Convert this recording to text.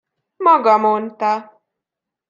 Maga mondta!